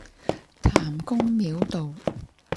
譚公廟道